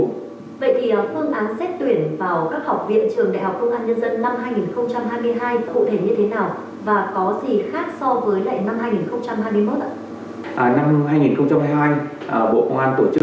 vậy thì phương án xét tuyển vào các học viện trường đại học công an nhân dân năm hai nghìn hai mươi hai cụ thể như thế nào